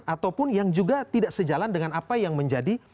ataupun yang juga tidak sejalan dengan apa yang menjadi